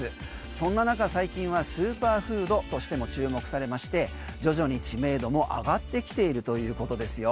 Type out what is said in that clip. そんな中最近はスーパーフードとしても注目されまして徐々に知名度も上がってきているということですよ。